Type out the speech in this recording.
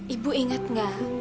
ibu inget gak